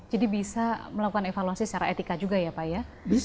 jadi bisa melakukan evaluasi secara etika juga ya pak ya